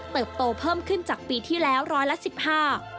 เติบโตเพิ่มขึ้นจากปีที่แล้วร้อยละ๑๕